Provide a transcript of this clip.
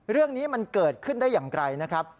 เรื่องนี้มันเกิดขึ้นได้อย่างไรนะครับ